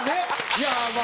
いやあまあ